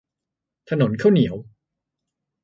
ถนนข้าวเหนียว